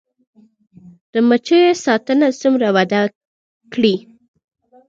د مچیو ساتنه څومره وده کړې؟